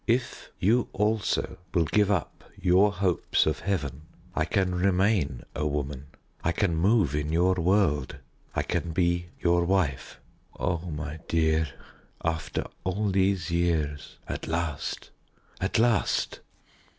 If you also will give up your hopes of heaven I can remain a woman, I can move in your world I can be your wife. Oh, my dear, after all these years, at last at last."